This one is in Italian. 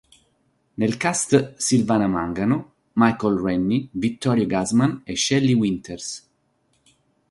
Nel cast: Silvana Mangano, Michael Rennie, Vittorio Gassman e Shelley Winters.